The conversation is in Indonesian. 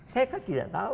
saya kan tidak tahu